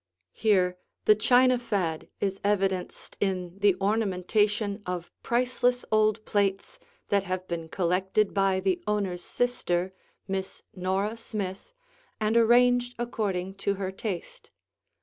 Here the china fad is evidenced in the ornamentation of priceless old plates that have been collected by the owner's sister, Miss Nora Smith, and arranged according to her taste.